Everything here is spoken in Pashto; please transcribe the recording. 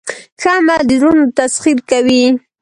ښه عمل د زړونو تسخیر کوي.